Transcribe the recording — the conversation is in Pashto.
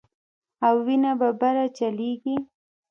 او وينه به بره چليږي